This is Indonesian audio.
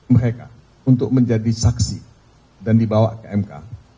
mereka untuk menjadi saksi dan dibawa ke mk